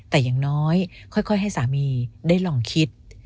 แต่อย่างน้อยค่อยให้สามีได้ลองคิด